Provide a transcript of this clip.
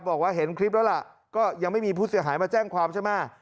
บอกว่าเห็นคลิปแล้วล่ะก็ยังไม่มีผู้เสียหายมาแจ้งความใช่ไหม